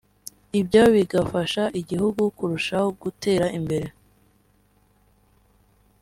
ibyo bigafasha igihugu kurushaho gutera imbere